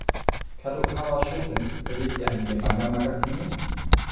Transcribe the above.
Kadokawa Shoten verlegt einige Manga-Magazine.